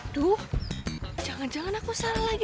dia maka sudah dimakai